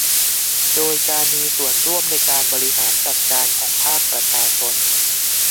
โดยการมีส่วนร่วมในการบริหารจัดการของภาคประชาชน